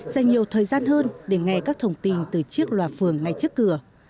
dành nhiều thời gian hơn để nghe các thông tin từ chiếc loa phường ngay trước cửa